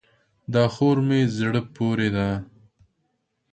دا خور مې زړه پورې ده.